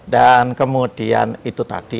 dan kemudian itu tadi